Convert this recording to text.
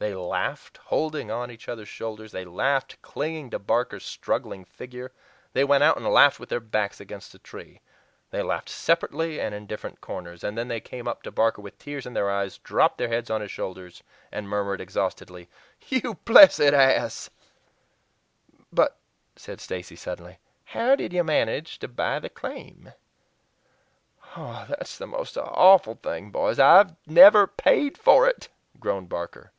They laughed, holding on each other's shoulders; they laughed, clinging to Barker's struggling figure; they went out and laughed with their backs against a tree. They laughed separately and in different corners. And then they came up to Barker with tears in their eyes, dropped their heads on his shoulder, and murmured exhaustedly: "You blessed ass!" "But," said Stacy suddenly, "how did you manage to buy the claim?" "Ah! that's the most awful thing, boys. I've NEVER PAID FOR IT," groaned Barker.